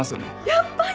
やっぱり！